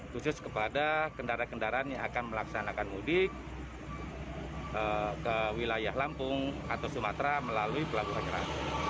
khusus kepada kendaraan kendaraan yang akan melaksanakan mudik ke wilayah lampung atau sumatera melalui pelabuhan merak